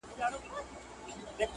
بلبله ځي، هر خوا د غم بادونه ولګېدل